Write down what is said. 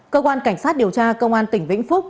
cơ quan cảnh sát điều tra công an tỉnh vĩnh phúc